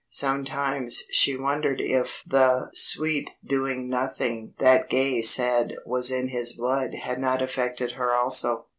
Sometimes she wondered if the "sweet doing nothing" that Gay said was in his blood had not affected her also.